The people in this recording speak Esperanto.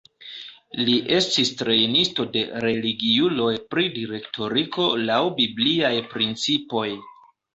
Li estis trejnisto de religiuloj pri direktoriko laŭ bibliaj principoj.